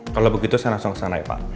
kalau begitu saya langsung kesana ya pak